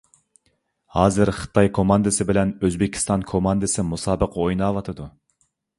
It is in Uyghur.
ھازىر خىتاي كوماندىسى بىلەن ئۆزبېكىستان كوماندىسى مۇسابىقە ئويناۋاتىدۇ.